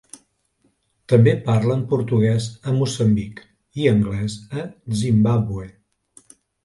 També parlen portuguès a Moçambic i anglès a Zimbàbue.